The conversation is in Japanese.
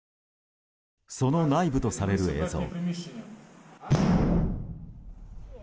その内部とされる映像。